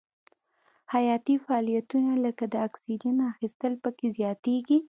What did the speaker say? حیاتي فعالیتونه لکه د اکسیجن اخیستل پکې زیاتیږي.